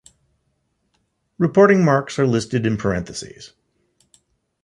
Reporting marks are listed in parentheses.